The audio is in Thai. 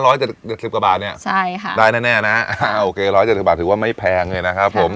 เจ็ดเจ็ดสิบกว่าบาทเนี่ยใช่ค่ะได้แน่แน่นะโอเคร้อยเจ็ดสิบบาทถือว่าไม่แพงเลยนะครับผม